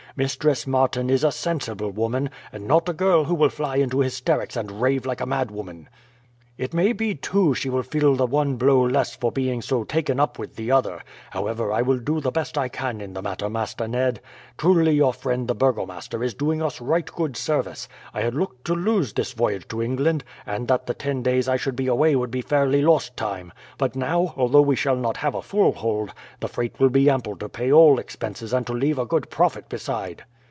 Mistress Martin is a sensible woman, and not a girl who will fly into hysterics and rave like a madwoman. "It may be too, she will feel the one blow less for being so taken up with the other; however, I will do the best I can in the matter, Master Ned. Truly your friend the burgomaster is doing us right good service. I had looked to lose this voyage to England, and that the ten days I should be away would be fairly lost time; but now, although we shall not have a full hold, the freight will be ample to pay all expenses and to leave a good profit beside."